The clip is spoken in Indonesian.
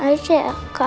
apa aku ceritain aja